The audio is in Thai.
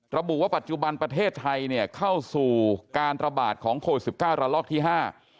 ระบุว่าปัจจุบันประเทศไทยเนี่ยเข้าสู่การระบาดของโควิดสิบเก้าระลอกที่ห้า